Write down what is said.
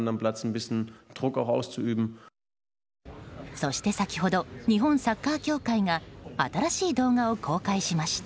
そして、先ほど日本サッカー協会が新しい動画を公開しました。